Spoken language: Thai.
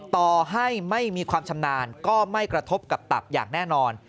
ต่อให้ไม่มีความชำนาญก็ไม่กระทบกับตับอย่างแน่นอน